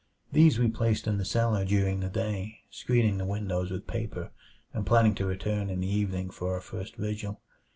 These we placed in the cellar during the day, screening the windows with paper and planning to return in the evening for our first vigil.